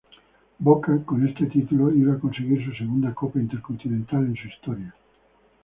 Boca con este título iba a conseguir su segunda copa Intercontinental en su historia.